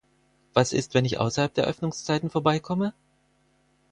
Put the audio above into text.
Was ist, wenn ich außerhalb der Öffnungszeiten vorbei komme?